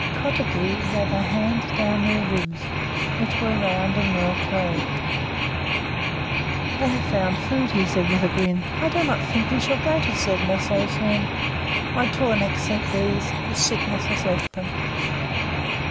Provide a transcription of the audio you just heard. Kotuko ran a hand down their ribs, which were round and well clothed. "They have found food," he said, with a grin. "I do not think we shall go to Sedna so soon. My tornaq sent these. The sickness has left them."